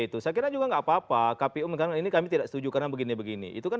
itu saya kira juga nggak apa apa kpu mengenai ini kami tidak setuju karena begini begini itu kan